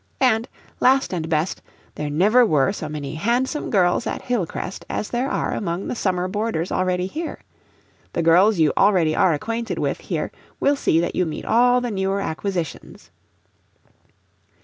And, last and best, there never were so many handsome girls at Hillcrest as there are among the summer boarders already here; the girls you already are acquainted with here will see that you meet all the newer acquisitions.